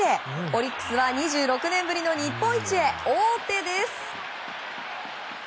オリックスは２６年ぶりの日本一へ王手です。